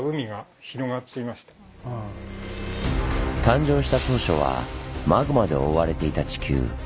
誕生した当初はマグマで覆われていた地球。